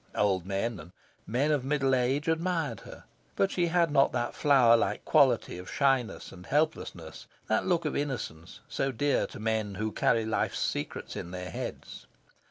Old men and men of middle age admired her, but she had not that flower like quality of shyness and helplessness, that look of innocence, so dear to men who carry life's secrets in their heads.